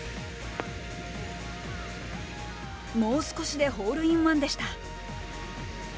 もう少しでホールインワンでした。